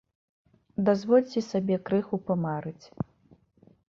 Дазвольце сабе крыху памарыць.